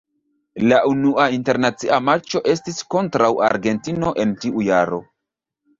La unua internacia matĉo estis kontraŭ Argentino en tiu jaro.